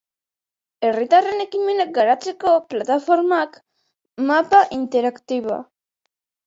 Herritarren ekimenak garatzeko plataformak, mapa interaktiboa.